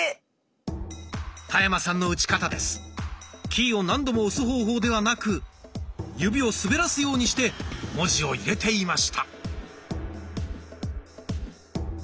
キーを何度も押す方法ではなく指を滑らすようにして文字を入れていました。